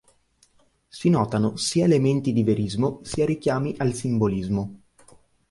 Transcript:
Si notano sia elementi di verismo sia richiami al simbolismo.